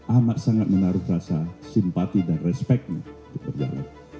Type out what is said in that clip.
amat sangat menaruh rasa simpati dan respeknya untuk berjalan